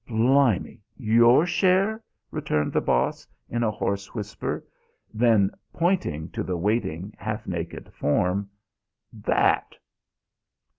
"Blimy! Your share?" returned the Boss in a hoarse whisper. Then, pointing to the waiting, half naked form: "That!"